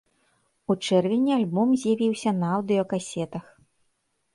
У чэрвені альбом з'явіўся на аўдыёкасетах.